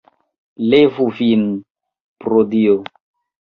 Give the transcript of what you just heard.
Levu vin, pro Dio!